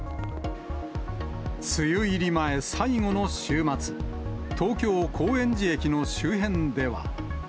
梅雨入り前、最後の週末、東京・高円寺駅の周辺では。